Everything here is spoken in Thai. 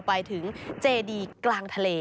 ไปถึงเจดีกลางทะเล